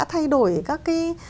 thay đổi các cái